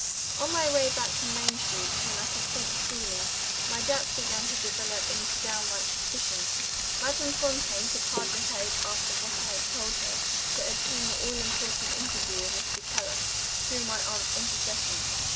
On my way back to Main Street, when I could think freely, my doubts began to develop into downright suspicion. Madame Fontaine could hardly hope, after what I had told her, to obtain the all important interview with Mr. Keller, through my aunt's intercession.